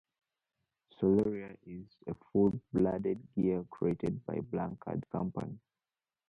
Solaria is a full-blooded Gear created by the Blackard Company.